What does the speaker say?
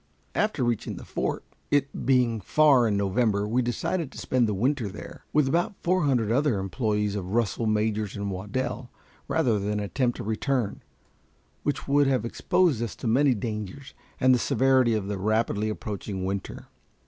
After reaching the fort, it being far in November, we decided to spend the winter there, with about four hundred other employés of Russell, Majors & Waddell, rather than attempt a return, which would have exposed us to many dangers and the severity of the rapidly approaching winter.